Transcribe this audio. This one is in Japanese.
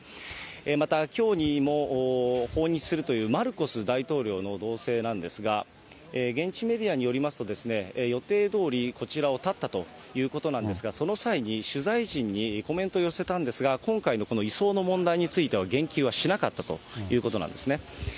またきょうにも訪日するというマルコス大統領の動静なんですが、現地メディアによりますとですね、予定どおりこちらをたったということなんですが、その際に、取材陣にコメントを寄せたんですが、今回のこの移送の問題については、言及はしなかったということなんですね。